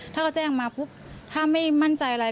ถ้าเขาแจ้งมาปุ๊บถ้าไม่มั่นใจอะไร